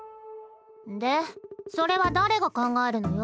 でそれは誰が考えるのよ？